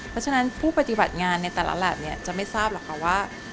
เพราะฉะนั้นผู้ปฏิบัติงานในแต่ละแล็บเนี่ยจะไม่ทราบหรอกค่ะว่า